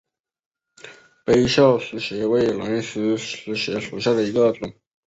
杯鞘石斛为兰科石斛属下的一个种。